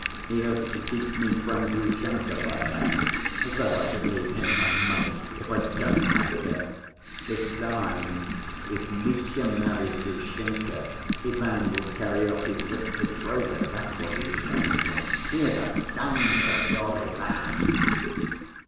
He hopes to keep me from Grushenka by that (as though I should leave him my money if I don't marry her!). Besides if Mitya marries Grushenka, Ivan will carry off his rich betrothed, that's what he's reckoning on! He is a scoundrel, your Ivan!"